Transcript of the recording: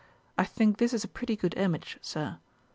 I think this a pretty good image, Sir.'